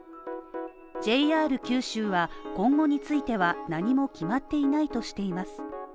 ＪＲ九州は、今後については何も決まっていないとしています。